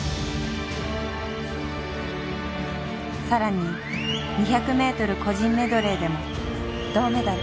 更に２００ｍ個人メドレーでも銅メダル。